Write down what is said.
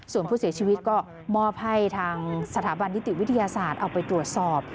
ส่วนผู้เสียชีวิตก็มอบให้ทางสถาบันนิติวิทยาศาสตร์เอาไปตรวจสอบ